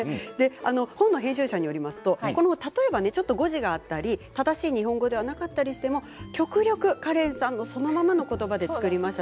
本の編集者によると例えば誤字があったり正しい日本語ではなかったりしても極力カレンさんそのままのことばで作りました。